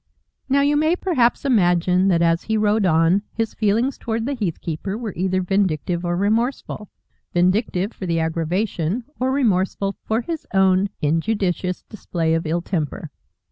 Now you may perhaps imagine that as he rode on, his feelings towards the heath keeper were either vindictive or remorseful, vindictive for the aggravation or remorseful for his own injudicious display of ill temper.